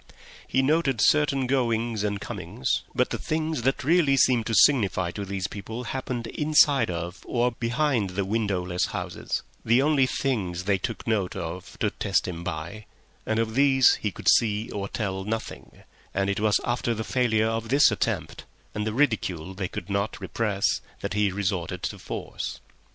He noted certain goings and comings, but the things that really seemed to signify to these people happened inside of or behind the windowless houses—the only things they took note of to test him by—and of those he could see or tell nothing; and it was after the failure of this attempt, and the ridicule they could not repress, that he resorted to force.